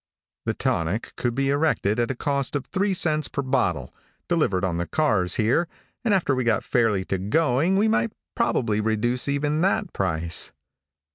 The tonic could be erected at a cost of three cents per bottle, delivered on the cars here, and after we got fairly to going we might probably reduce even that price.